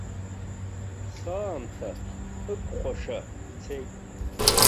Саамҭа ықәхәаша ицеит.